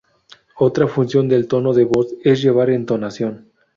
Otra función del tono de voz es llevar entonación.